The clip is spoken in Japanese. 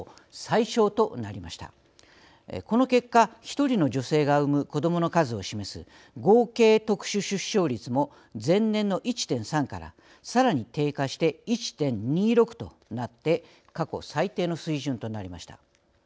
この結果１人の女性が産む子どもの数を示す合計特殊出生率も前年の１．３からさらに低下して１．２６となって過去最低の水準となりました。